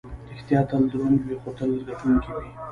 ریښتیا تل دروند وي، خو تل ګټونکی وي.